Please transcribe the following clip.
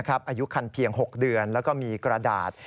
อายุคันเพียง๖เดือนแล้วก็มีกระดาษ